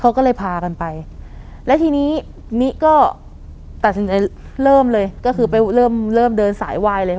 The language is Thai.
เขาก็เลยพากันไปแล้วทีนี้มิก็ตัดสินใจเริ่มเลยก็คือไปเริ่มเริ่มเดินสายวายเลย